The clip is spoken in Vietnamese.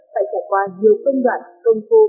phải trải qua nhiều công đoạn công phu